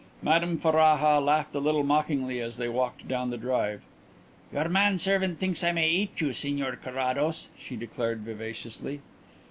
Madame Ferraja laughed a little mockingly as they walked down the drive. "Your man servant thinks I may eat you, Signor Carrados," she declared vivaciously.